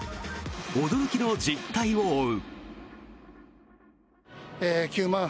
驚きの実態を追う。